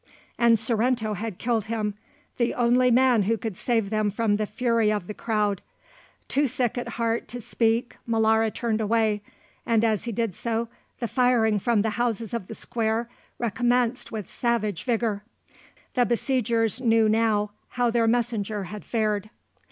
And Sorrento had killed him, the only man who could save them from the fury of the crowd. Too sick at heart to speak Molara turned away, and as he did so the firing from the houses of the square recommenced with savage vigour. The besiegers knew now how their messenger had fared.